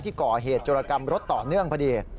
ก่อเหตุโจรกรรมรถต่อเนื่องพอดี